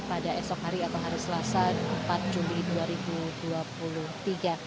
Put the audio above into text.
pada esok hari atau hari selasa empat juli dua ribu dua puluh tiga